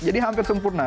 jadi hampir sempurna